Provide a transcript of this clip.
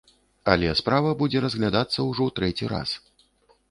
Але справа будзе разглядацца ўжо ў трэці раз.